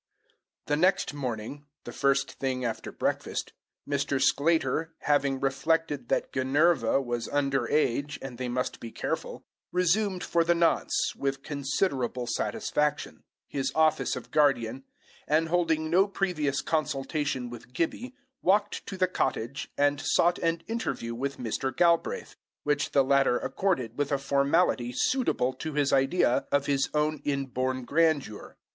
The next morning, the first thing after breakfast, Mr. Sclater, having reflected that Ginevra was under age and they must be careful, resumed for the nonce, with considerable satisfaction, his office of guardian, and holding no previous consultation with Gibbie, walked to the cottage, and sought an interview with Mr. Galbraith, which the latter accorded with a formality suitable to his idea of his own inborn grandeur.